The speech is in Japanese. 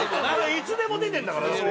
いつでも出てるんだから。